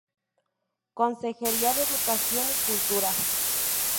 Consejería de Educación y Cultura.